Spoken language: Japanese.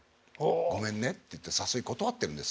ごめんねって言って誘い断ってるんです。